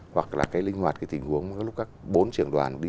hoặc là cái linh hoạt cái tình huống các lúc các bốn trường đoàn đi ra